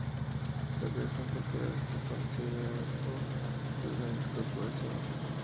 La creación cultural está condicionada por las grandes corporaciones